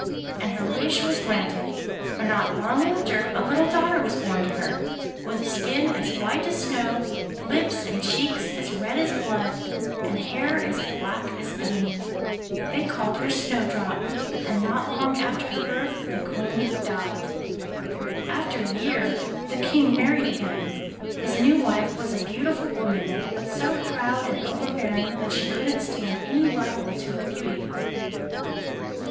And her wish was granted, for not long after a little daughter was born to her, with a skin as white as snow, lips and cheeks as red as blood, and hair as black as ebony. They called her Snowdrop, and not long after her birth the Queen died. After a year the King married again. His new wife was a beautiful woman, but so proud and overbearing that she couldn't stand any rival to her beauty.